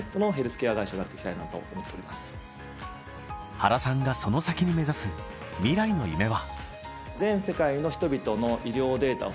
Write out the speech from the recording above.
原さんがその先に目指す未来の夢は？